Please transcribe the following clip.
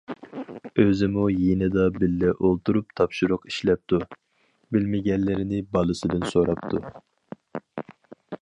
ئۆزىمۇ يېنىدا بىللە ئولتۇرۇپ تاپشۇرۇق ئىشلەپتۇ، بىلمىگەنلىرىنى بالىسىدىن سوراپتۇ.